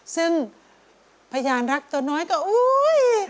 ซึ่งพยานรักตัวน้อยก็อุ๊ย